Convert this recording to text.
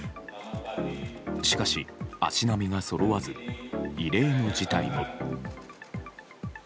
しかし、足並みがそろわず異例の事態も。